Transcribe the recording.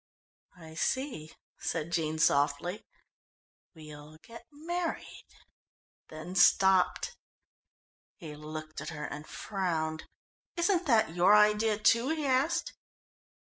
"I see," said Jean softly. "We'll get married " then stopped. He looked at her and frowned. "Isn't that your idea, too?" he asked.